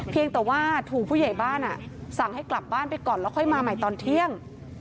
เพียงแต่ว่าถูกผู้ใหญ่บ้านสั่งให้กลับบ้านไปก่อนแล้วค่อยมาใหม่ตอนเที่ยง